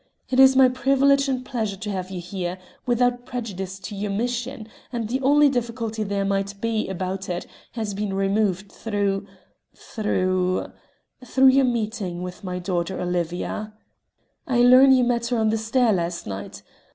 It is my privilege and pleasure to have you here without prejudice to your mission and the only difficulty there might be about it has been removed through through through your meeting with my daughter Olivia. I learn you met her on the stair last night.